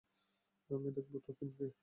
আমি দেখবো তো, পিনকি।